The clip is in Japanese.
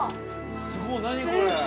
◆すごい、何これ。